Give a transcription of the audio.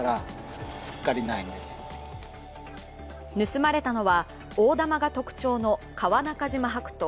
盗まれたのは大玉が特徴の川中島白桃